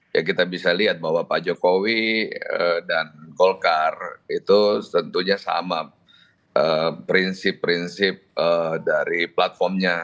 ya kita bisa lihat bahwa pak jokowi dan golkar itu tentunya sama prinsip prinsip dari platformnya